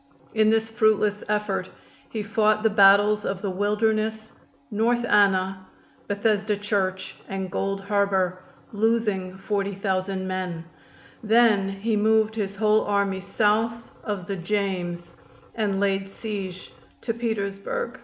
In this fruitless effort he fought the battles of the Wilderness, North Anna, Bethesda Church and Gold Harbor, losing 40,000 men. Then he moved his whole army south of the James and laid siege to Petersburg.